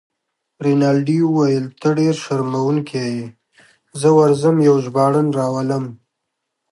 رینالډي وویل: ته ډیر شرمېدونکی يې، زه ورځم یو ژباړن راولم.